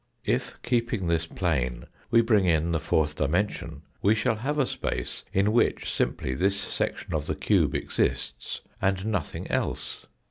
If, keeping this plane, we bring in the fourth dimension, we shall have a space in which simply this section of the cube exists and nothing else.